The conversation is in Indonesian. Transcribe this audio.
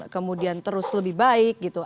kemudian terus lebih baik gitu